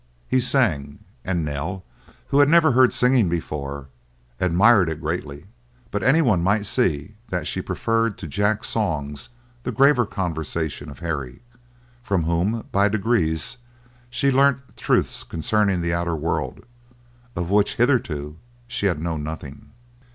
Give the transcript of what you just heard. He sang, and Nell, who had never heard singing before, admired it greatly; but anyone might see that she preferred to Jack's songs the graver conversation of Harry, from whom by degrees she learnt truths concerning the outer world, of which hitherto she had known nothing.